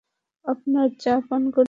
আপনার চা পান করুন।